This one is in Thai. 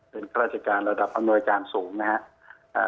เป็นราชการระดับอำนวยการสูงนะฮะ